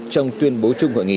trong tuyên bố chung hội nghị